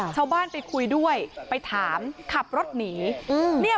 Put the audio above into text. ชาวบ้านไปคุยด้วยไปถามขับรถหนี